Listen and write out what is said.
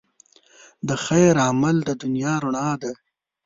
د خیر عمل د دنیا رڼا ده.